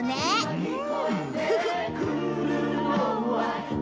うん！